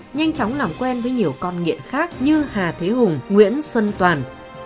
nhanh chóng làm quen với nhiều con nghiện khác như hà thế hùng nguyễn xuân toàn